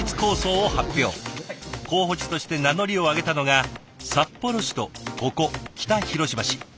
候補地として名乗りを上げたのが札幌市とここ北広島市。